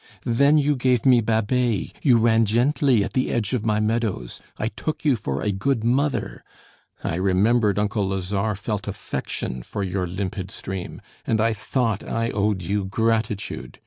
Then you gave me Babet, you ran gently at the edge of my meadows. I took you for a good mother. I remembered uncle Lazare felt affection for your limpid stream, and I thought I owed you gratitude.